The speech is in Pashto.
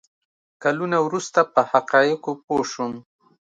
کلونه وروسته په حقایقو پوه شوم.